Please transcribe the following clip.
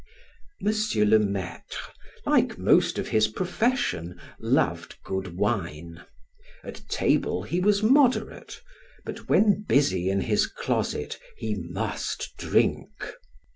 M. le Maitre, like most of his profession, loved good wine; at table he was moderate, but when busy in his closet he must drink.